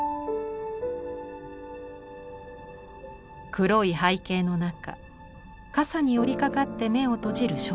黒い背景の中傘に寄りかかって眼を閉じる少女。